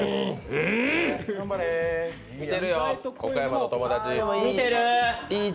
見てるよ、岡山の友達。